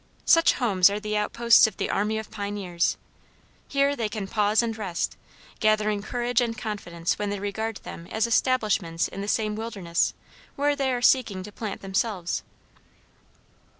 Such homes are the outposts of the army of pioneers: here they can pause and rest, gathering courage and confidence when they regard them as establishments in the same wilderness where they are seeking to plant themselves.